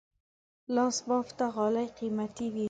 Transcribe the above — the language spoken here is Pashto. لاس بافته غالۍ قیمتي وي.